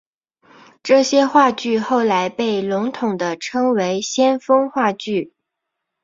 这些话剧后来被笼统地称为先锋话剧。